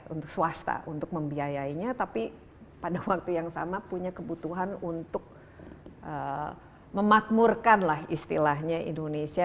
untuk swasta untuk membiayainya tapi pada waktu yang sama punya kebutuhan untuk memakmurkan lah istilahnya indonesia